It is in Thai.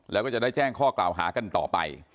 แล้วก็จะได้แจ้งข้อกล่าวหากันต่อไป